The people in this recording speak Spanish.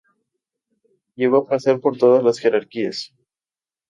Llegó a pasar por todas las jerarquías.